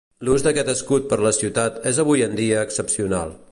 L'ús d'aquest escut per la ciutat és avui en dia excepcional.